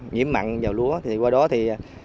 nhiễm mặn vào lúa thì qua đó thì